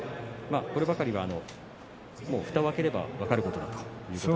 こればかりはふたを開ければ分かること。